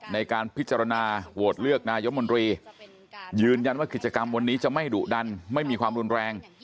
ในการพิจารณาโหวตเลือกนายมนตรียืนยันว่ากิจกรรมวันนี้จะไม่ดุดันไม่มีความรุนแรง